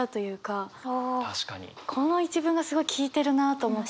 この一文がすごい効いてるなと思って。